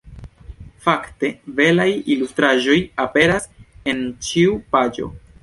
Fakte, belaj ilustraĵoj aperas en ĉiu paĝo.